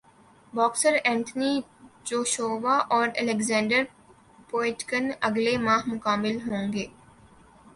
boxer Anthony Joshua اور Alexander Povetkin اگلے ماہ مقابل ہوں گے